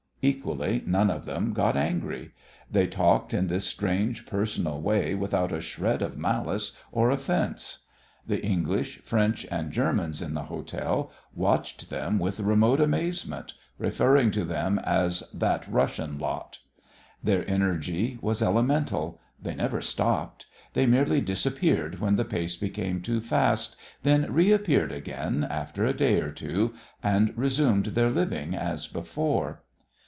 Equally, none of them got angry. They talked in this strange personal way without a shred of malice or offence. The English, French, and Germans in the hotel watched them with remote amazement, referring to them as "that Russian lot." Their energy was elemental. They never stopped. They merely disappeared when the pace became too fast, then reappeared again after a day or two, and resumed their "living" as before.